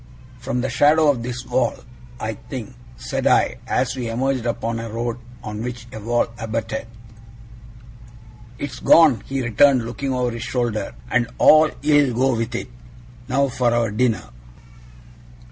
'From the shadow of this wall, I think,' said I, as we emerged upon a road on which a wall abutted. 'It's gone!' he returned, looking over his shoulder. 'And all ill go with it. Now for our dinner!